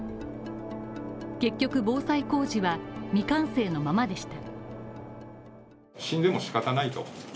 結局防災工事は未完成のままでした。